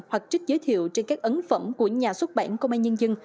hoặc trích giới thiệu trên các ấn phẩm của nhà xuất bản công an nhân dân